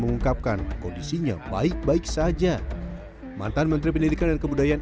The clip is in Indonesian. mengungkapkan kondisinya baik baik saja mantan menteri pendidikan dan kebudayaan